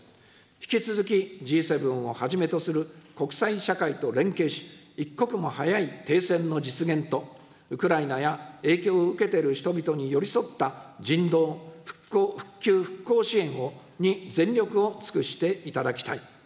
引き続き、Ｇ７をはじめとする国際社会と連携し、一刻も早い停戦の実現と、ウクライナや影響を受けている人々に寄り添った人道、復興復旧支援を全力を尽くしていただきたい。